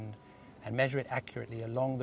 dan mengukur secara akurat